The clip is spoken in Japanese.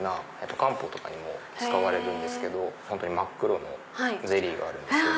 漢方とかにも使われるんですけど真っ黒のゼリーがあるんです。